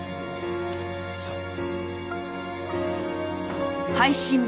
さあ。